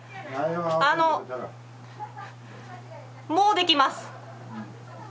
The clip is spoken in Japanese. あのもうできます。